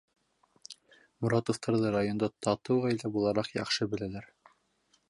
Моратовтарҙы районда татыу ғаилә булараҡ яҡшы беләләр.